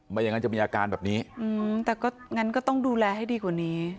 ไม่อย่างนั้นจะมีอาการแบบนี้แต่ก็งั้นก็ต้องดูแลให้ดีกว่านี้